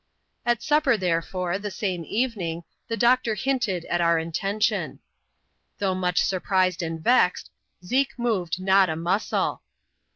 233 At supper, therefor^ the same evening, the doctor hinted at our intention* Though much surprised and vexed, Zeke moved not a muscle.